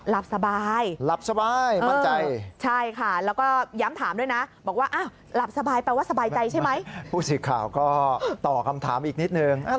หลับสบายไหมคุณอุตมะตอบว่า